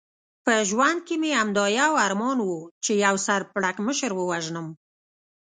په ژوند کې مې همدا یو ارمان و، چې یو سر پړکمشر ووژنم.